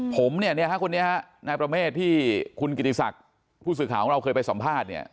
ผมเนี่ยฮะคนนี้ฮะนายประเมฆที่คุณกิติศักดิ์ผู้สื่อข่าวของเราเคยไปสัมภาษณ์เนี่ย